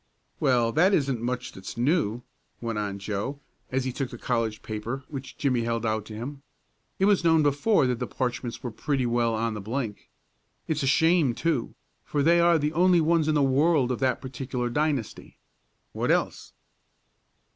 "Well, that isn't much that's new," went on Joe, as he took the college paper which Jimmie held out to him. "It was known before that the parchments were pretty well on the blink. It's a shame, too, for they are the only ones in the world of that particular dynasty. What else?"